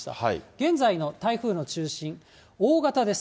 現在の台風の中心、大型です。